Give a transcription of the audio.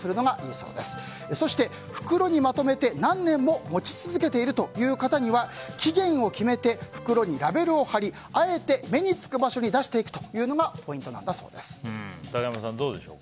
そして袋にまとめて何年も持ち続けている方には期限を決めて、袋にラベルを貼りあえて目に付く場所に出していくというのが竹山さん、どうでしょう？